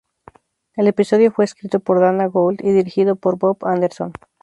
El episodio fue escrito por Dana Gould y dirigido por Bob Anderson.